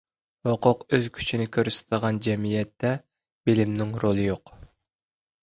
ھوقۇق ئۆز كۈچىنى كۆرسىتىدىغان جەمئىيەتتە بىلىمنىڭ رولى يوق.